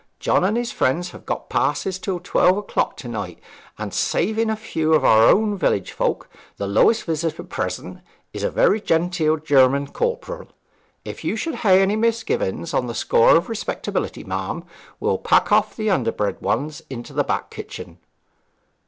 John and his friends have got passes till twelve o'clock to night, and, saving a few of our own village folk, the lowest visitor present is a very genteel German corporal. If you should hae any misgivings on the score of respectability, ma'am, we'll pack off the underbred ones into the back kitchen.'